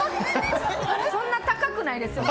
そんな高くないですよ。